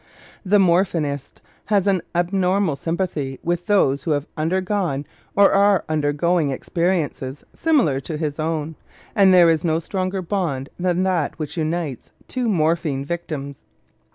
The morphinist has an abnormal sympathy with those who have undergone or are undergoing experiences similar to his own, and there is no stronger bond than that which unites two morphine victims.